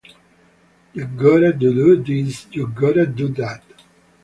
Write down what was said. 'You've gotta do this,' 'You've gotta do that.